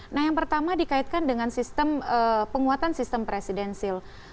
nah yang pertama dikaitkan dengan sistem penguatan sistem presidensil